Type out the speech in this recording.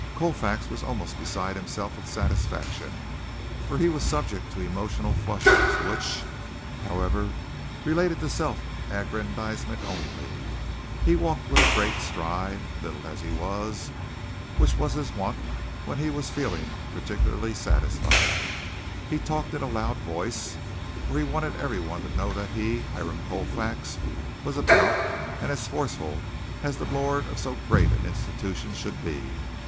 Colfax was almost beside himself with satisfaction, for he was subject to emotional flushes which, however, related to self aggrandizement only. He walked with a great stride (little as he was), which was his wont when he was feeling particularly satisfied. He talked in a loud voice, for he wanted everyone to know that he, Hiram Colfax, was about and as forceful as the lord of so great an institution should be.